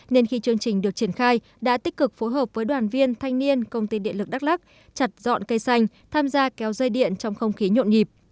nên khi chương trình được triển khai đã tích cực phối hợp với đoàn viên thanh niên công ty địa lực đắk lắc chặt dọn cây xanh tham gia kéo dây điện trong không khí nhộn nhịp